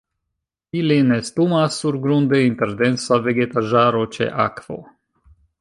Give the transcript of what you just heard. Ili nestumas surgrunde inter densa vegetaĵaro ĉe akvo.